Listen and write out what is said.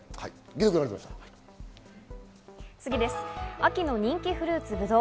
秋の人気フルーツ、ブドウ。